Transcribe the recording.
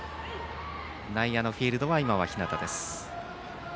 内野のフィールドは今はひなたです。